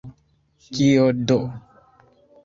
Kio do!